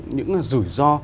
những rủi ro